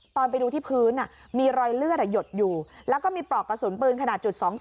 ตอนไปดูที่พื้นมีรอยเลือดหยดอยู่แล้วก็มีปลอกกระสุนปืนขนาด๒๒